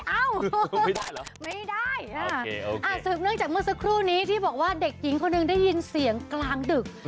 เอ้าไม่ได้สืบเนื่องจากเมื่อสักครู่นี้ที่บอกว่าเด็กหญิงคนหนึ่งได้ยินเสียงกลางดึก